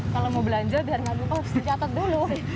kalau mau belanja biar gak lupa harus dicatat dulu